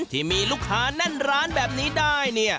ที่มีลูกค้าแน่นร้านแบบนี้ได้